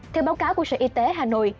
theo báo cáo của sở y tế hà nội